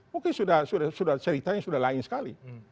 mungkin sudah ceritanya sudah lain sekali